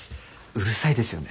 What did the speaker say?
うるさいですよね？